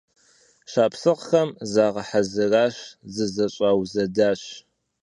Шапсыгъхэм загъэхьэзыращ, зызэщӀаузэдащ.